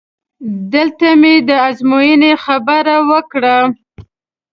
دلته دې د ازموینې خبره وکړه؟!